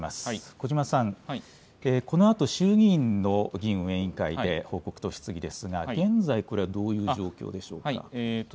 小嶋さん、このあと衆議院の議院運営委員会で報告と質疑ですが、現在、これはどういう状況でしょうか。